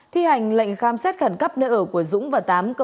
thi hành lệnh khám xét khẩn cấp nơi ở của dũng và tám